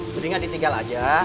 mendingan ditinggal aja